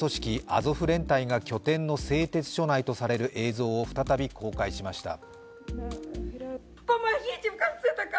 アゾフ連隊が拠点の製鉄所内とされる映像を再び公開しました。